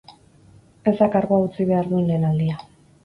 Ez da kargua utzi behar duen lehen aldia.